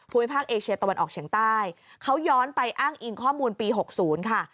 ภูมิภาคเอเชียตะวันออกเฉียงใต้เขาย้อนไปอ้างอิงข้อมูลปี๖๐ค่ะ